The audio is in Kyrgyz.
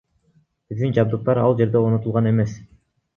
Биздин жабдыктар ал жерде орнотулган эмес.